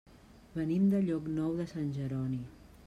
Venim de Llocnou de Sant Jeroni.